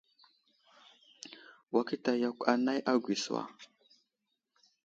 Wakita yakw anay agwi suwa.